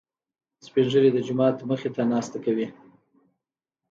سپين ږيري د جومات مخې ته ناسته کوي.